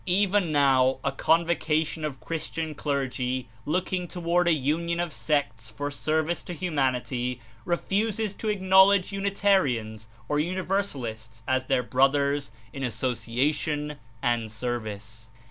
Even now a con t6o vocation of Christian Clergy, looking toward a union of sects for service to humanity, refuses to acknow ledge Unitarians or Unlversallsts as their brothers in association and service.